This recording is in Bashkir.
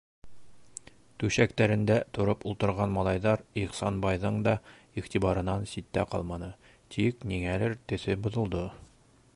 Түшәктәрендә тороп ултырған малайҙар Ихсанбайҙың да иғтибарынан ситтә ҡалманы, тик ниңәлер төҫө боҙолдо: